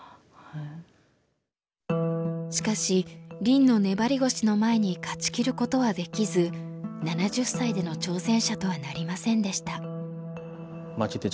しかし林の粘り腰の前に勝ちきることはできず７０歳での挑戦者とはなりませんでした。